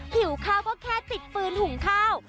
หิวข้าวก็แค่ติดฟืนหุงข้าว